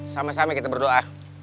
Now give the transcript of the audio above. sama sama kita berdoa